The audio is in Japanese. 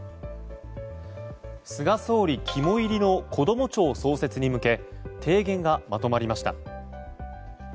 菅総理肝煎りのこども庁創設に向け提言がまとまりました。